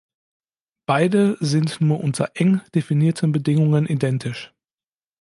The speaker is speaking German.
Beide sind nur unter eng definierten Bedingungen identisch.